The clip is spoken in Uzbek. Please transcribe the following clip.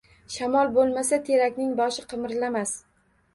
–Shamol bo’lmasa, terakning boshi qimirlamas.